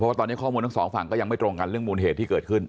ว่าตอนนี้ข้อมูลทั้งสองฝั่งก็ยังไม่ตรงกันเรื่องมูลเหตุที่เกิดขึ้น